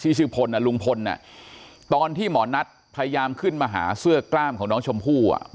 ชื่อพลลุงพลตอนที่หมอนัทพยายามขึ้นมาหาเสื้อกล้ามของน้องชมพู่อ่ะ